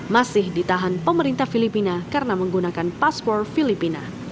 masih ditahan pemerintah filipina karena menggunakan paspor filipina